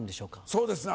そうですね